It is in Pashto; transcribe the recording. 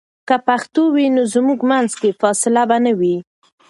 که پښتو وي، نو زموږ منځ کې فاصله به نه وي.